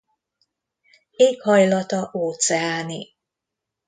Éghajlata óceáni.